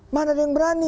mana ada yang berani